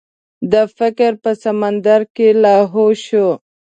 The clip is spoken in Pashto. د فکر په سمندر کې لاهو شو.